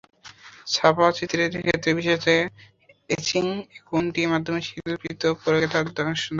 ছাপচিত্রের ক্ষেত্রে বিশেষত এচিং অ্যাকুয়াটিন্ট মাধ্যমের শিল্পিত প্রয়োগে তাঁর দক্ষতা সুবিদিত।